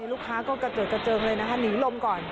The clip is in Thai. ลูกค้าก็กระเจิดกระเจิงเลยนะคะหนีลมก่อน